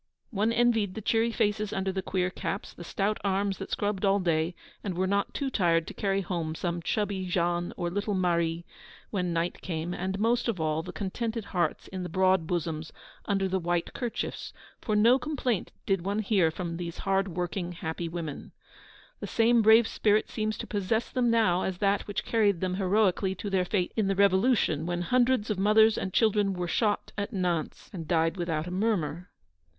One envied the cheery faces under the queer caps, the stout arms that scrubbed all day, and were not too tired to carry home some chubby Jean or little Marie when night came; and, most of all, the contented hearts in the broad bosoms under the white kerchiefs, for no complaint did one hear from these hard working, happy women. The same brave spirit seems to possess them now as that which carried them heroically to their fate in the Revolution, when hundreds of mothers and children were shot at Nantes and died without a murmur.